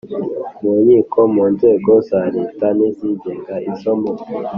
mu nkiko mu nzego za Leta n izigenga izo mu